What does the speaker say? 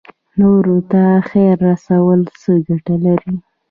نورو ته خیر رسول څه ګټه لري؟